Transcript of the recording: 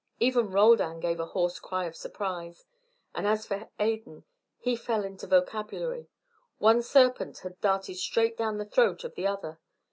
Even Roldan gave a hoarse cry of surprise, and as for Adan, he fell into vocabulary: one serpent had darted straight down the throat of the other.